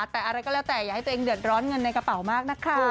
แต่อะไรก็แล้วแต่อย่าให้ตัวเองเดือดร้อนเงินในกระเป๋ามากนะคะ